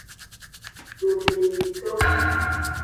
Domenyito.